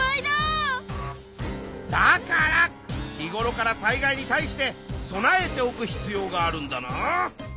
だから日ごろから災害に対して備えておく必要があるんだな。